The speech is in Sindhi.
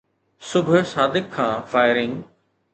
صبح صادق کان فائرنگ